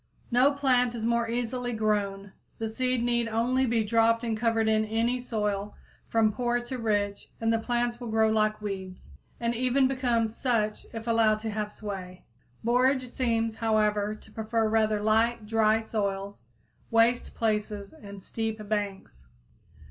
_ No plant is more easily grown. The seed need only be dropped and covered in any soil, from poor to rich, and the plants will grow like weeds, and even become such if allowed to have sway. Borage seems, however, to prefer rather light, dry soils, waste places and steep banks.